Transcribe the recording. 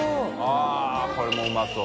あっこれもうまそう。